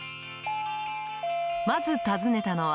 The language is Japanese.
まず訪ねたのは。